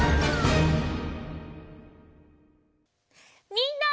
みんな。